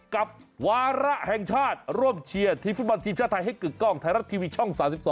กับวาระแห่งชาติร่วมเชียร์ทีมฟุตบอลทีมชาติไทยให้กึกกล้องไทยรัฐทีวีช่อง๓๒